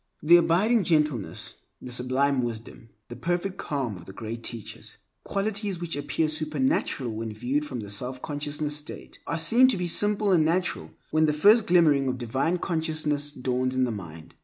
The abiding gentleness, the sublime wisdom, the perfect calm of the Great Teachers—qualities which appear supernatural when viewed from the selfconsciousness state—are seen to be simple and natural when the first glimmering of divine consciousness dawns in the mind.